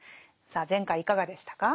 さあ前回いかがでしたか？